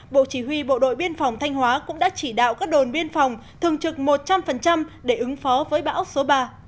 bộ chỉ huy bộ đội biên phòng thanh hóa cũng đã chỉ đạo các đồn biên phòng thường trực một trăm linh để ứng phó với bão số ba